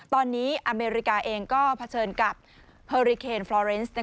ตอนนี้อเมริกาเองก็เผชิญกับเฮอริเคนฟรอเรนซ์